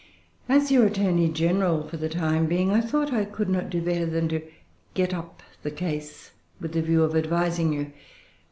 As your attorney general for the time being, I thought I could not do better than get up the case with a view of advising you.